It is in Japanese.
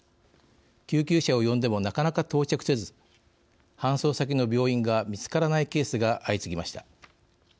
救急車を呼んでもなかなか到着せず搬送先の病院が見つからないケースが相次ぎました。